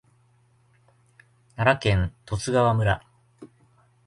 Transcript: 奈良県十津川村